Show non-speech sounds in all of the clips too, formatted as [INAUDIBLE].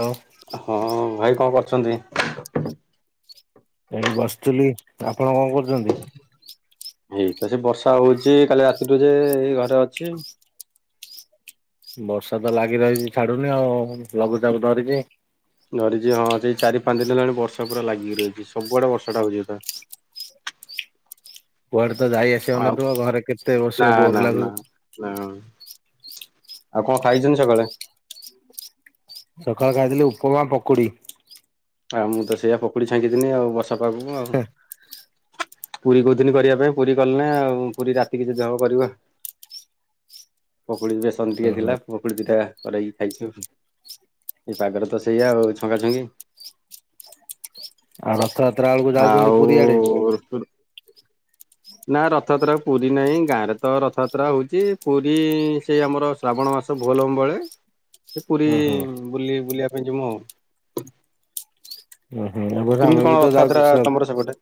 Hello. ହଁ ଭାଇ କଅଁ କରୁଚନ୍ତି। ଏଇ ବସିଥିଲି ଆପଣ କଣ କରୁଛନ୍ତି? ଏଇ ତ ସେ ବର୍ଷା ହଉଛି କାଲି ରାତିଠୁ ଯେ ଏଇ ଘରେ ଅଛି। ବର୍ଷା ତ ଲାଗି ରହିଛି ଛାଡୁନି ଆଉ ଲଘୁଚାପ ଧରିଚି। ଧରିଛି ହଁ ସେଇ ଚାରି ପାଞ୍ଚ ଦିନ ହେଲାଣି ବର୍ଷା ପୁରାାଗି ରହିଛି ସବୁଆଡ ବର୍ଷା ହଉଛି ହେଟା। କୁଆଡେ ତ ଯାଇ ଆଉ ଆସିହଉନଥିବ ଘରେ କେତେ ବସିବ ବୋର ଲାଗୁ ହଁ ଆଉ କଅଁ ଖାଇଚନ୍ତି ସକାଳେ? ହୁଁ [UNINTELLIGIBLE] ସକାଳୁ ଖାଇଥିଲି ଉପମା ପକୁଡି। ଆଉ ମୁଁ ତ ସେଇଆ ପକୁଡି ଛାଙ୍କିଦିନି ଆଉ ବର୍ଷା ପାଗକୁ ଆଉ। ପୁରୀ କହୁଥିଲି କରିବା ପାଇଁ ପୁରୀ କଲି ନାଇଁ ଆଉ ପୁରୀ ରାତି କି ଯଦି ହେବ କରିଵା। ପାଗୁଳି ବେଶ୍ ବେସନ ଟିକେ ଥିଲା ପକୁଡି ଦିଇଟା କରେଇ ଖାଇଛୁ ଏ ପାଗରେ ତ ସେଇଆ ଆଉ ଛଙ୍କା ଛଙ୍କି। ଆଉ ରଥଯାତ୍ରା ବେଳକୁ ଯାଉଛନ୍ତି ପୁରୀଆଡେ? ଓରଫୁଲ। ନା ରଥଯାତ୍ରା କୁ ପୁରୀ ନାହିଁ ଗାଁ ରେ ତ ରଥଯାତ୍ରା ହଉଛି ପୁରୀ ସେ ଆମର ଶ୍ରାବଣ ମାସ ଭୋଲମ୍ବବଳେ ସେ ପୁରୀ ହୁଁ ହୁଁ ବୁଲି ବୁଲିବା ପାଇଁ ଯିମୁ। ହୁଁ ହୁଁ ଏ ବର୍ଷ କେମିତି ଆମେ କଣ ବି ତ ରଥଯାତ୍ରା ଯାଉଛୁ ସବୁ। ତମର ସେପଟେ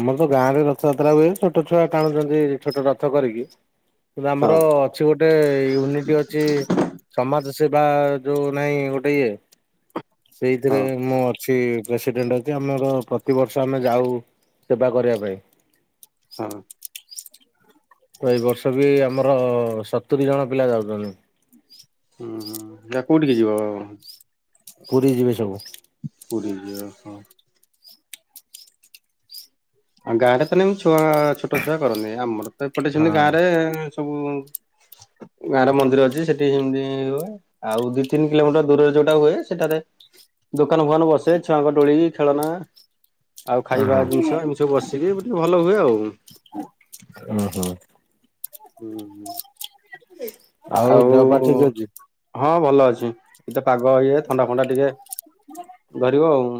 ଆମର ତ ଗାଁରେ ରଥଯାତ୍ରା ହୁଏ ଛୋଟ ଛୁଆ ଟାଣୁଚନ୍ତି ଛୋଟ ରଥ କରିକି। ଏବେ ହଁ ଆମର ଅଛି ଗୋଟେ ୟୁନିଟି ଅଛି, ସମାଜ ସେବା ଯୋଉ ନାହିଁ ଗୋଟେ ଇଏ ସେଇଥିରେ ହଁ ମୁଁ ଅ ଛି ପ୍ରେସିଡେଣ୍ଟ ଅଛି ଆମର ପ୍ରତିବର୍ଷ ଆମେ ଯାଉ ସେବା କରିବା ପାଇଁ। ହଁ। ତ ଏଇ ବର୍ଷ ବି ଆମର ସତୁରୀ ଜଣ ପିଲା ଯାଉଚନ୍ତି। ହୁଁ, ହୁଁ ଯା କୋଉଠିକି ଯିବ? ପୁରୀ ଯିବେ ସବୁ। ପୁରୀ ଯିବ ହଁ, ହଁ। ଆଉ ଗାଁ ରେ ତ ନାହିଁ ଛୁଆ ଛୋଟ ଛୁଆ କରନ୍ତିି, ଆମର ତ ଏପଟେ ହଁ ସେମିତି ଗାଁରେ ଗାଁ ରେ ମନ୍ଦିର ଅଛି ସେଠି ସେମିତି ହୁଏ। ଆଉ ଦି ତିନି କିଲୋମିଟର ଦୂରରେ ଯୋଉଟା ହୁଏ, ସେଟାରେ ଦୋକାନ ଫୋକାନ ବସେ ଛୁଆଙ୍କ ଡୋଳି ଖେଳନା ଆଉ ହଁ ଖାଇବା ଜିନିଷ ଏମିତି ସବୁ ବସିକି ବି ଟିକେ ଭଲ ହୁଏ ଆଉ। ଓ ହଁ। ହୁଁ, ହୁଁ ଆଉ ଦେହ ପା ଠିକ ଅଛି? ହଁ ଭଲ ଅଛି, ଇତ ପାଗ ଇଏ ଥଣ୍ଡା ଫଣ୍ଡା ଟିକେ ଧରିବ ଆଉଁ।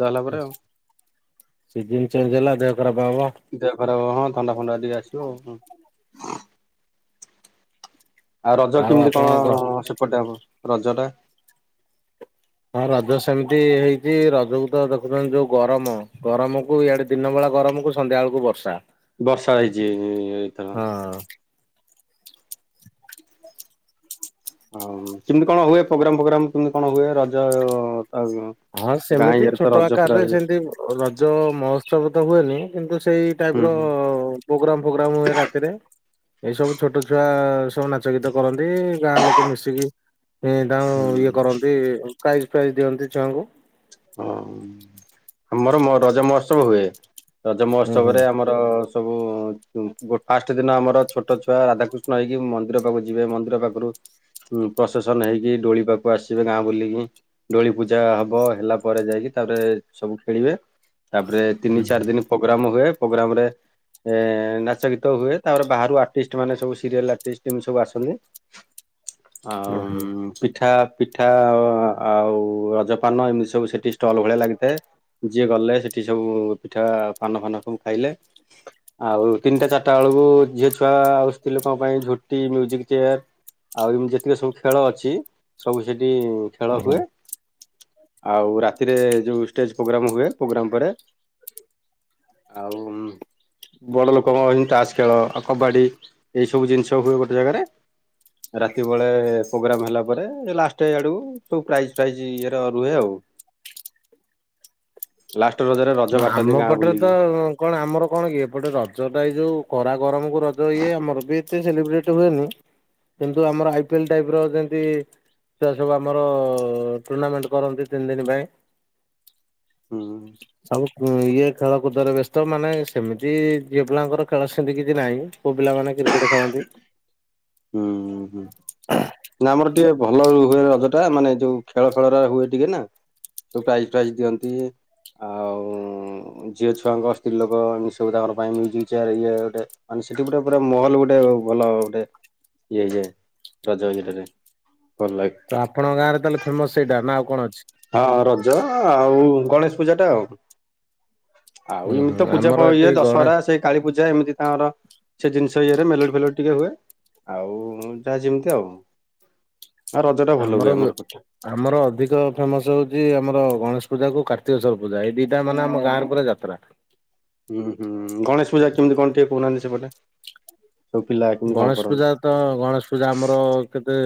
[UNINTELLIGIBLE] ସିଜିିନ୍ ଚେଞ୍ଜ ହେଲା ଦେହ ଖରାପ ହବ। ଦେହ ଖରାପ ହବ, ହଁ ଥଣ୍ଡା ଫଣ୍ଡା ଟିକେ ଆସିବ ହଁ। ଆଉ ରଜ କେମିତି କଣ ସେପଟେ ହବ ରଜ ଟା? ହଁ ରଜ ସେମିତି ହେଇଛି, ରଜକୁ ତ ଦେଖୁଛନ୍ତି ଯୋଉ ଗରମ, ଗରମକୁୁ ଇଆଡେ ଦିନ ବେଳା ଗରମକୁ ସନ୍ଧ୍ୟା ବେଳକୁ ବର୍ଷା। ବର୍ଷା ହେଇଛି ଏ ଏ ଏଇଥର। ହଁ। ଆଉଁ କେମିତି କଣ ହୁଏ ପ୍ରୋଗ୍ରାମ୍ ଫୋଗ୍ରାମ୍ କେମିତି କଣ ହୁଏ ରଜର [INAUDIBLE] ହଁ ସେମିତି ଛୋଟ ଆକାରରେ ସେମିତି ରଜ ମହୋତ୍ସବ ତ ହୁଏନି କିନ୍ତୁ ସେଇ ଟାଇପ୍ ହୁଁ ର ହୁଁ ପ୍ରୋଗ୍ରାମ୍ ଫୋଗ୍ରାମ୍ ହୁଏ ରାତିରେ। ଏଇ ସବୁ ଛୋଟ ଛୁଆ ସବୁ ନାଚ ଗୀତ କରନ୍ତି। ଗାଁ ଲୋକ ମିଶିକି ଏଁ, ତାଙ୍କୁ ହୁଁ ଇଏ କରନ୍ତି ପ୍ରାଇଜ୍ ଫ୍ରାଇଜ୍ ଦିଅନ୍ତି ଛୁଆଙ୍କୁ। ହଁ ଆମର ମ- ରଜ ମହୋତ୍ସବ ହୁଏ, ରଜ ହୁଁ ହୁଁ ମହୋତ୍ସବ ରେ ଆମର ତ ସବୁ ଫାଷ୍ଟ ଦିନ ଆମର ଛୋଟ ଛୁଆ ରାଧାକୃଷ୍ଣ ହେଇକି ମନ୍ଦି ନ୍ଦିର ପାଖକୁ ଯିବେ, ମନ୍ଦିର ପାଖରୁ ଉଁ, ପ୍ରସେସନ୍ ହେଇକି ଡୋଳିି ପାଖକୁ ଆସିବେ ଗାଁ ବୁଲିକି, ଡୋଳି ପୂଜା ହବ ହେଲା ପରେ ଯାଇକି ତାପରେ ସବୁ ଖେଳିବେ, ତାପରେ ହୁଁ ତିନି ଚାରି ଦିନ ପ୍ରୋଗ୍ରାମ୍ ହୁଏ। ପ୍ରୋଗ୍ରାମ୍ ରେ ଏ, ନାଚ ଗୀତ ହୁଏ, ତାପରେ ବାହାରୁ ଆର୍ଟିଷ୍ଟ ମାନେ ସବୁ ସିରିଏଲ୍ ଆର୍ଟିଷ୍ଟ ଏମିତି ସବୁ ଆସନ୍ତି। [UNINTELLIGIBLE] ହୁଁ ହୁଁ। ଆଉଁ ପିଠା ପିଠା ଆଉ ରଜପାନ ଏମିତି ସବୁ ସେ ଠି ଷ୍ଟଲ୍ ଭଳିଆ ଲାଗିଥାଏ, ଯିଏ ଗଲେ ସେଠି ସବୁ ପିଠା ପାନ ଫାନ ସବୁ ଖାଇଲେ। ଆଉ ତିନିଟା ଚାରଟା ବେଳକୁ ଝିଅ ଛୁଆ ଆଉ ସ୍ତ୍ରୀ ଲୋକଙ୍କ ପାଇଁ ଝୋଟି ମ୍ୟୁଜିକ୍ ଚେୟାର୍ ଆଉ ଏମିତି ଯେତିକ ସବୁ ଖେଳ ଅଛି ସବୁ ସେଠି ଖେଳ ଓହୋ ହୁଏ ଆଉ ରା ରାତିରେ ଯୋଉ ଷ୍ଟେଜ୍ ପ୍ରୋଗ୍ରାମ ହୁଏ ପ୍ରୋଗ୍ରାମ ପରେ ଆଉ ବଡ଼ ଲୋକଙ୍କ ହିମ୍ ତାସ୍ ଖେଳ ଆଉ କବାଡ଼ି ଏଇ ସବୁ ଜିନିଷ ହୁଏ ଗୋଟେ ଜାଗାରେ। ରାତି ବେଳେ ପ୍ରୋଗ୍ରାମ୍ ହେଲା ପରେ ଲାଷ୍ଟ ଆଡ଼େକୁ ସବୁ ପ୍ରାଇଜ୍ ଫ୍ରାଇଜ୍ ଇଏର ରୁହେ ଆଉ। ଲାଷ୍ଟେ ରଜରେ ର ଆମ ପଟରେତ କଣ ଆମର କଣକି ଏପଟେ ରଜଟା ଏଇ ଯୋଉ କରା ଗରମକୁ ରଜ ଇଏ ଆମରବି ଏତେ ସେଲିବ୍ରେଟ୍ ହୁଏନି। କିନ୍ତୁ ଆମର ଆଇ ପିଏଲ୍ ଟାଇପର ଯେମିତି ସେ ସବୁ ଆମର ଟୁର୍ଣ୍ଣାମେଣ୍ଟ କରନ୍ତି ତିନି ଦିନି ପାଇଁ ହୁଁ। ସବୁ ଇଏ ଖେଳକୁଦରେ ବ୍ୟସ୍ତ ମାନେ ସେମିତି ଝିଅ ପିଲାଙ୍କର ଖେଳ ସେମିତି କିଛି ନାହିଁ ପୁଅ ପିଲାମାନେ କ୍ରିକେଟ୍ ଖେଳନ୍ତି। ହୁଁ ହୁଁ। ନା ଆମର ଟିକେ ଭଲ ହୁଏ ରଜଟା ମାନେ ଯୋଉ ଖେଳ ଫେଳ ହୁଏ ଟିକେନା ସବୁ ପ୍ରାଇଜ୍ ପ୍ରାଇଜ୍ ଦିଅନ୍ତି। ଆଉ ଝିଅ ଛୁଆଙ୍କ ସ୍ତ୍ରୀ ଲୋକ ଏମିତି ସବୁ ତାଙ୍କର ପାଇଁ ମ୍ୟିଜିକ୍ ଚେୟାର ଇଏ ଗୋଟେ ମାନେ ସେଠି ଗୋଟେ ପୁରା ମହଲ ଗୋଟେ ଭଲ ଗୋଟେ ଇଏ ହେଇଯାଏ ରଜ ଇଏଟାରେ ଭଲ ଲା ତ ଆପଣଙ୍କ ଗାଁରେ ତାହେଲେ ଫେମସ୍ ସେଇଟା ନାଆଉ କଣ ଅଛି? ହଁ ରଜ ଆଉ ଗଣେଶ ପୂଜାଟା ଆଉ। ଆଉ ହୁଁ ହୁଁ ଏମିତିତ ପୂଜା ଆମର ପାଳ ଏଠି ଇଏ ଗଣ ଦଶହରା ସେଇ କାଳୀପୂଜା ଏମିତି ତାଙ୍କର ସେ ଜିନିଷ ଇଏରେ ମେଲୋଡ଼ି ଫେଲୋଡ଼ି ଟିକେ ହୁଏ। ଆଉ ଯାହା ଯେମିତି ଆଉ। ଆଉ ରଜ ଟା ଭଲ ହୁଏ ଆମର ବ ଏପଟେ। ଆମର ଅଧିକ ଫେମସ୍ ହଉଚି ଆମର ଗଣେଶ ପୂଜାକୁ କାର୍ତ୍ତିକେଶ୍ୱର ପୂଜା ଏଇ ଦିଟା ମାନେ ଆମ ଗାଁରେ ପୁରା ଯାତ୍ରା। ହୁଁ ହୁଁ ଗଣେଶ ପୂଜା କେମିତି କଣ ଟିକେ କହୁନାହାନ୍ତି ସେପଟେ? ସବୁ ପିଲା କେମିତି କଣ ଗଣେଶ କରନ୍ତି? ପୂଜା ତ ଗଣେଶ ପୂଜା ଆମର କେତେ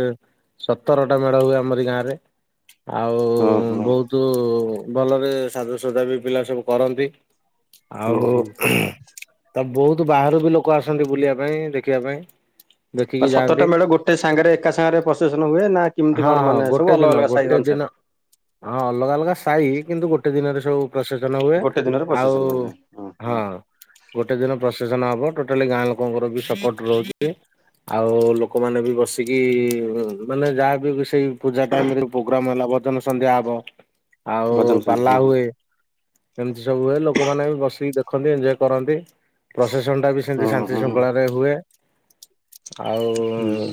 ସତରଟା ମେଢ଼ ହୁଏ ଆମରି ଗାଁରେ। ଆଉ ହଁ ହଁ ବହୁତ୍ ଭଲରେ ସାଜସଜାବି ପିଲା ସବୁ କରନ୍ତି। ଆଉ ହୁଁ ହୁଁ। [UNINTELLIGIBLE] ତ ବହୁତ୍ ବାହାରୁବି ଲୋକ ଆସନ୍ତି ବୁଲିବା ପାଇଁ ଦେ ଖିବା ପାଇଁ। ଦେଖିକି [UNINTELLIGIBLE] ସତରଟା ଯାଆନ୍ତି। ମେଡ଼ ଗୋଟେ ସାଙ୍ଗରେ ଏକା ସାଙ୍ଗରେ ପ୍ରଶେସନ୍ ହୁଏ ନା କେମିତି ହଁ କଣ ହଁ ମାନେ ସବୁ ଗୋଟେ ଅଲଗା ଦିନ ଅଲଗା ସାହି ଗୋଟେ ଦିନ ଅନୁସାରେ? ହଁ ଅଲଗା ଅଲଗା ସାଇ କିନ୍ତୁ ଗୋଟେ ଦିନରେ ସବୁ ପ୍ରସେସନ ହୁଏ ଗୋଟେ ଦିନରେ ଆଉ ପ୍ରସେସନ ହୁଏ ହଁ ଗୋଟେ ଦିନ ପ୍ରସେସନ ହବ ଟୋଟାଲି ଗାଁ ଲୋକଙ୍କରବି ସପୋଟ ରହୁଚି ଆଉ ଲୋକମାନେବି ବସିକି ମାନେ ଯାହାବି ସେଇ ପୂଜା ଟାଇମରେ ପ୍ରୋଗ୍ରାମ ହେଲା ଭଜନ ସନ୍ଧ୍ୟା ହବ ଆଉ ଭଜନ ସନ୍ଧ୍ୟା ପାଲା ହଁ ହୁଏ ଏମିତି ସବୁ ହୁଏ ଲୋକମାନେବି ବସିକି ଦେଖନ୍ତି ଏଞ୍ଜୟ କରନ୍ତି ପ୍ରସେସନଟାବି ସେ ସେମିତି ହଁ ଶାନ୍ତି ହଁ ଶୃଙ୍ଖଳାରେ ହୁଏ ଆଉ ହୁଁ।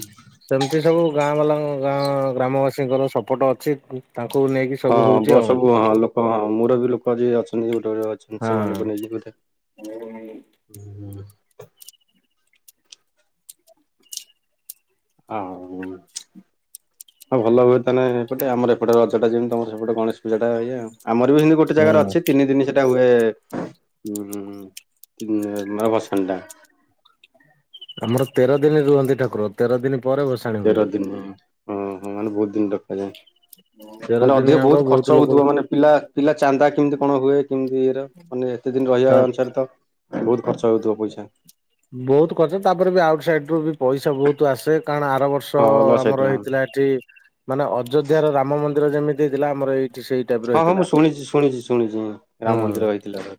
ସେମିତି ସବୁ ଗାଁ ବାଲାଙ୍କ ଗାଁ ଗ୍ରାମବାସୀଙ୍କର ସପୋର୍ଟ ଅଛି ତାଙ୍କୁ ନେଇକି ସବୁ ହଁ ହଉଛି ବ ଆଉ। ସବୁ ହଁ ଲୋକ ହଁ ମୋରବି ଲୋକ ଯିଏ ଅଛ [UNINTELLIGIBLE] ହଁ। ସେମାନଙ୍କୁ ନେଇକି ହୁଁ। [UNINTELLIGIBLE] ହଁ ଭଲ ହୁଅନ୍ତାନା ଏପଟେ ଆମର ଏପଟେ ରଜଟା ଯେମତି ତମର ସେପଟେ ଗଣେଶ ତୁ ସେଟା ଇଏ ଆମର ବି ହେମତି ଗୋଟେ ଜାଗାରେ ହୁଁ ଅଛି ତିନିଦିନି ସେ ଟା ହୁଏ ଉଁମ୍ ଉଁ ମାନେ ଭସାଣିଟା। ଆମର ତେର ଦିନି ରୁହନ୍ତି ଠାକୁର ତେର ଦିନି ପରେ ଭସା ତେର ଦିନି ଓହୋ ମାନେ ବୋହୁତ ଦିନି ରଖାଯାଏ। ହୁଁ। ମାନେ ଅଧିକ ବୋହୁତ ଖର୍ଚ୍ଚ ହୋଉଥୁବ ମାନେ ପିଲା ପିଲା ଚାନ୍ଦା କେମତି କଣ ହୁଏ କେମତି ଇଏର। ମାନେ ଏତେ ଦିନ ରହିବା ଏ ଅନୁସାରେ ତ ବୋହୁତ ଖର୍ଚ୍ଚ ହୋଉଥୁବ ପଇସା। ବୋହୁତ ଖର୍ଚ୍ଚ ତାପରେ ବି ଆଉଟ୍ ସାଇଡରୁ ବି ପଇସା ବୋହୁତ ଆସେ କାରଣ ଆର ବର୍ ସ ହଁ ଅଲଗା ସାଇଡ ଆମର ରୁ ହେଇଥିଲା ଏଠି ମାନେ ଅଯୋଧ୍ୟାର ରାମ ମନ୍ଦିର ଯେମିତି ହେଇଥିଲା ଆମର ଏଇଠି ସେଇ ଟାଇପ ର ହଁ ହଁ ମୁଁ ହେଇଥିଲା। ଶୁଣିଚି ଶୁଣିଚି ଶୁଣିଚି ମୂଁ ହୁଁ ରାମ ମନ୍ଦିର ହେଇଥିଲା ହଁ।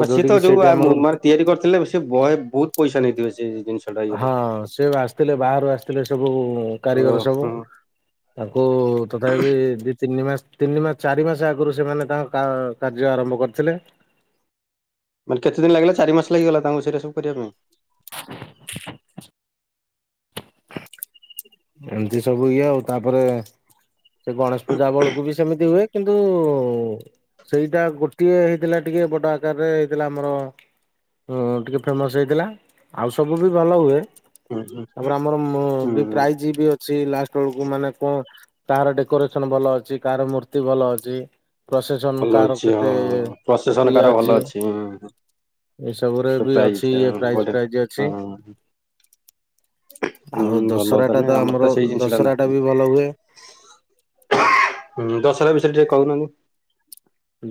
ମା ସିଏ ତ ଯୋଉଠିକି ଯୋଉ ସେଇଠି ଆମର ଆମୁ ମାନେ ତିଆରି କରିଥିଲେ ସେ ବହେ ବୋହୁତ ପଇସା ନେଇଥିବେ ସେ ଜିନିଷ ଟା ଇଏରେ ହଁ ସେ ପା ଆସିଥିଲେ ବାହାରୁ ଆସଥିଲେ ସବୁ ଓ କାରିଗର ସବୁ। ହଁ ତାଙ୍କୁ ତଥାପି ଦି ତିନି ମାସ ତିନି ମାସ ଚାରି ମାସ ଆଗରୁ ସେମାନେ ତାଙ୍କ କା କାର୍ଯ୍ୟ ଆରମ୍ଭ କରିଥିଲେ। ମାନେ କେତେ ଦିନ ଲାଗିଲା ଚାରିମାସ ଲାଗିଗଲା ତାଙ୍କୁ ସେଇରା ସବୁ କରିବା ପାଇଁ। [INAUDIBLE] ଏମତି ସବୁ ଇଏ ଆଉ ତାପରେ ସେ ଗଣେଶ ପୂଜା ବେଳକୁ ବି ସେମିତି ହୁଏ। କିନ୍ତୁ ସେଇଟା ଗୋଟିଏ ହେଇଥିଲା ଟିକେ ବଡ ଆକାରରେ ହେଇଥିଲା ଆମର। ହୁଁ ହଁ ଟିକେ ଫେମସ୍ ହେଇଥିଲା ଆଉ ସବୁ ବି ଭଲ ହୁଏ। ହୁଁ ତାପରେ ଆମର ମୋ ହୁଁ ବି ହୁଁ ପ୍ରାଇଜି ବି ଅଛି ଲାଷ୍ଟ ବେଳକୁ ମାନେ କ କାହାର ଡେକୋରେସନ ଭଲ ଅଛି କାହାର ମୂର୍ତ୍ତି ଭଲ ଅଛି। ପ୍ରସେସନ୍ ଭଲ କାହାର ଅଛି କେତେ ହଁ ପ୍ରସେସନ ଇଏ କାର ଭଲ ଅଛି। ଏସବୁରେ ବି ପ୍ରାଇଜ ଅଛି ଇଏ ପ୍ରାଇଜ ବଢିଆ ଫ୍ରାଇଜ ଅଛି। ହଁ ହୁଁ ଆଉ ଭଲ ଦଶହରାଟା ତାନେ ତ ଆମର ସେଇ ଜିନିଷ ଟା ନାହିଁ ଦଶହରାଟା ବି ଭଲ ହୁଏ। ହୁଁ ଦଶହରା ବିଷୟରେ ଟିକେ କୋହୁନାହାନ୍ତି।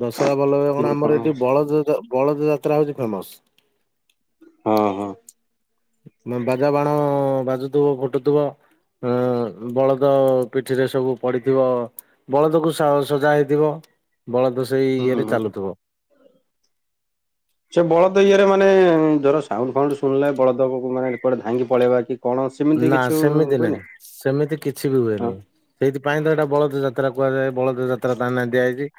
ଦଶହରା ଭଲ ହୁଏ କଣ ଆମର ଏଠି ବଳଦ ଯାତ ବଳଦ ଯାତ୍ରା ହୋଉଚି ଫେମସ। ହଁ ହଁ। ବାଜା ବାଣ ବାଜୁଥୁବ ଫୁଟୁଥୁବ ହଁ ବଳଦ ପିଠିରେ ସବୁ ପଡିଥିବ। ବଳଦକୁ ସା ସଜା ହେଇଥିବ ବଳଦ ସେଇ ଇଏରେ ହୁଁ। ଚାଲୁଥୁବ। ସେ ବଳଦ ଇଏରେ ମାନେ ଧର ସାଉଣ୍ଡ ଫାଉଣ୍ଡ ଶୁଣିଲେ ବଳଦ [UNINTELLIGIBLE] ମାନେ କୁଆଡେ ଧାଇଁକି ପଳେଇବା କି କଣ ସେମିତି ନା କିଛି ଉ ସେମିତି ହୁଏନି? ନାହିଁ ସେମିତି କିଛି ବି ହଁ ହୁଏନି। ସେଇଥିପାଇଁ ତ ଏଟା ବଳଦ ଯାତ୍ରା କୁହାଯାଏ ବଳଦ ଯାତ୍ରା ତା ନାଁ ଦିଆହେଇଚି।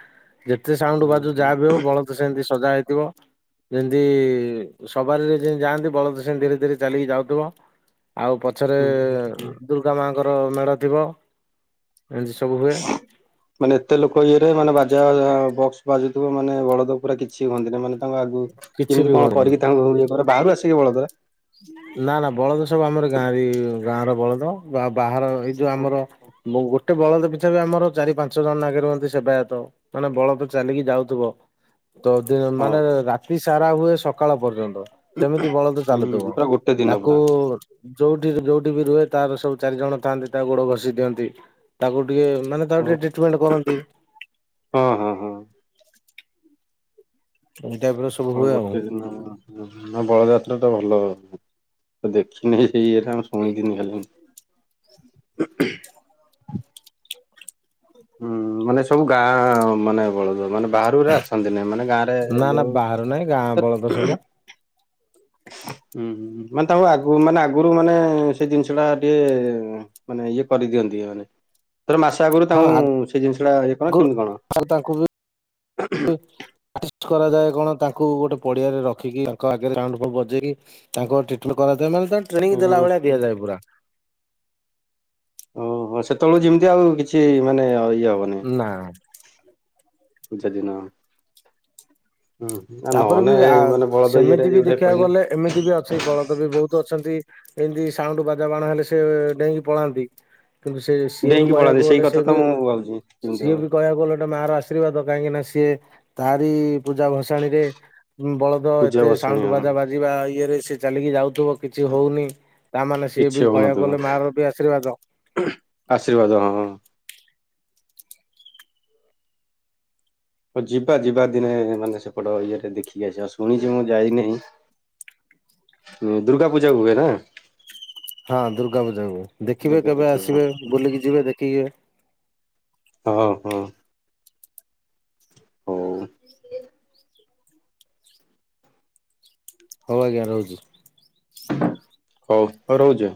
ଯେତେ ସାଉଣ୍ଡ ବାଜୁ ହୁଁ। ଯାହା ବି ହୋଉ ବଳଦ ସେମତି ସଜା ହେଇଥିବ। ଯେମତି ଇ ସବାରିରେ ଯେମତି ଯାଆନ୍ତି ବଳଦ ସେମ୍ ଧୀରେ ଧୀରେ ଚାଲିକି ଯାଉଥୁବ। ଆଉ ପଛରେ ଏ ଦୁର୍ଗା ମାଆଙ୍କର ମେଢ ଥିବ ଏମତି ସବୁ ହୁଏ। ମାନେ ଏତେ ଲୋକ ଇଏରେ ମାନେ ବାଜା ଯାହା ବକ୍ସ ବାଜୁଥୁବ ମାନେ ବଳଦ ପୁରା କିଛି ହୁଅନ୍ତିନି ମାନେ ତାଙ୍କ ଆଗୁକୁ କିଛି ବି କେମତି କଣ ହୁଅନ୍ତିନି। କରିକି ତାଙ୍କୁ ଇଏ କର ବାହାରୁ ଆସିବେ ବଳଦ। ନା ନା ବଳଦ ସବୁ ଆମରି ଗାଁରେ ଏ ଗାଁର ବଳଦ ଆ ବାହାର ଏଇ ଯୋଉ ଆମର ମୁଁ ଗୋଟେ ବଳଦ ପିଛା ବି ଆମର ଚାରି ପାଞ୍ଚ ଜଣ ନାଗିରୁହନ୍ତି ସେବାୟତ। ମାନେ ବଳଦ ଚାଲିକି ଯାଉଥୁବ। ତ ଦେ ହଁ ମାନେ ରାତି ସାରା ହୁଏ ସକାଳ ପର୍ଯ୍ୟନ୍ତ ସେମିତି ବଳଦ ଚାଲୁ ହୁଁ ପୁରା ଗୋଟେ ଦିନ ତାକୁ ପୁରା ଉର୍ ଯୋଉଠି ଯୋଉଠି ବି ରୁହେ ତାର ସବୁ ଚାରି ଜଣ ଥାନ୍ତି ତା ଗୋଡ ଘଷି ଦିଅନ୍ତି। ତାକୁ ଟିକେ ମାନେ ତାକୁ ଟିକେ ଟ୍ରିଟମେଣ୍ଟ କରନ୍ତି। ହଁ ହଁ ହଁ। ଏଇ ଟାଇପ୍ର ସ ହଁ ଗୋଟେ ଦିନ ହ ବଳଦଯାତ୍ରା ତ ଭଲ। ତ ଦେଖିନି ସେଇ ଇଏଟା ଆଉ। ଶୁଣିଥିଲି ଖାଲି। ହୁଁ ମାନେ ସବୁ ଗାଁ ମାନେ ବଳଦ ମାନେ ବାହରୁ ଗୁରା ଆସନ୍ତିନି ମାନେ ଗାଁ ରେ ଏ ନା ନା ଯୋଉ ବାହାରୁ ନାହିଁ ଗାଁ ବଳଦ ତତ୍ ସବୁ ହୁଁ ହୁଁ ମାନେ ତାଙ୍କୁ ଆଗୁ ମାନେ ଆଗୁରୁ ମାନେ ସେଇ ଜିନିଷ ଟା ଟିକେ ମାନେ ଇଏ କରିଦିଅନ୍ତି ଏମାନେ। ଧର ମାସେ ଆଗୁରୁ ହଁ ତାଙ୍କୁ ସେଇ ଜିନିଷ ଟା ଇଏ କଣ ଆଗରୁ କେମିତି କଣ? ଆର୍ଷ୍ଟ କରାଯାଏ କଣ ତାଙ୍କୁ ଗୋଟେ ପଡିଆରେ ରଖିକି ତାଙ୍କ ଆଗରେ ସାଉଣ୍ଡ ଫାଉଣ୍ଡ ବଜେଇକି ତାଙ୍କ ଟ୍ରିଟମେଣ୍ଟ କରାଯାଏ ମାନେ ତାଙ୍କୁ ଟ୍ରେନିଂ ହୁଁ ଦେଲା ଭଳିଆ ହୁଁ ଦିଆଯାଏ ପୁରା। ଓହୋ ସେତେବେଳକୁ ଯେମିତି ଆଉ କିଛି ମାନେ ଆଉ ଇଏ ହବନି। ନାଁ। ପୂଜା ଦିନ ହୁଁ ଆ ତାପରେ ବି ନହେନେ ଆ ମାନେ ବଳଦ ଇଏରେ ସେମିତି ଇଏ ବି ଗୋଟେ ଦେଖିବାକୁ କହିନା ଗଲେ ଏମିତି ବି ଅଛି ବଳଦ ବି ବୋହୁତ ଅଛନ୍ତି। ଏମିତି ସାଉଣ୍ଡ ବାଜାବାଣ ହେଲେ ସେ ଡେଇଁକି ପଳାନ୍ତି। କିନ୍ତୁ ସେ ସିଏ ବି ଡେଇଁକି ପଳାନ୍ତି କହିବାକୁ ସେଇ ଗଲେ କଥା ସିଏ ତ ବି ମୁଁ ଭାବୁଛି କେମିତି ସିଏ କଣ ବି କହିବାକୁ ଗଲେ ଏଟା ମା ର ଆସି ଶ୍ରୀର୍ବାଦ କାହିଁକିନା ସିଏ ତାରି ପୂଜା ଭସ୍ ତାଣିରେ ବଳଦ ପୂଜା ଏତେ ବସାଣି ସାଉଣ୍ଡ ହଁ ବାଜା ବାଜିବା ଇଏରେ ସେ ଚାଲିକି ଯାଉଥିବ। କିଛି ହୋଉନି ତାମାନେ ସିଏ କିଛି ବି କହିଆକୁ ହଉନଥିବ ଗଲେ ମା ର ବି ଆଶୀର୍ବାଦ। ଆଶୀର୍ବାଦ ହଁ। ହ ଯିବା ଯିବା ଦିନେ ମାନେ ସେପଟ ଇଏରେ ଦେଖିକି ଆସିବା ଶୁଣିଛି ମୁଁ ଯାଇନେଇଁ। ହୁଁ ଦୁର୍ଗା ପୂଜାକୁ ହୁଏ ନା? ହଁ ଦୁର୍ଗା ପୂଜାକୁ ଦେଖିବେ ଦୁର୍ଗା କେବେ ପୂଜା ହଁ ଆସିବେ ବୁଲିକି ଯିବେ ଦେଖିକି। ହଁ ହଁ। ହୋଉ। ହୋଉ ଆଜ୍ଞା ରହୁଚି। ହୋଉ ହୋଉ ରହୁଛି।